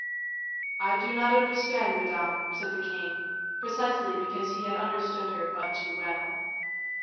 "I do not understand, madame," said the king, precisely because he had understood her but too well.